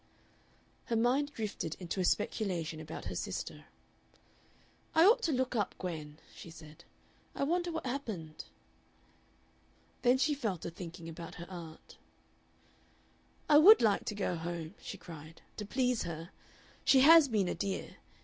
Her mind drifted into a speculation about her sister. "I ought to look up Gwen," she said. "I wonder what happened." Then she fell to thinking about her aunt. "I would like to go home," she cried, "to please her. She has been a dear.